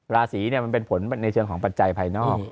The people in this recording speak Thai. ราศีเนี่ยมันเป็นผลในเชิงของปัจจัยภายนอก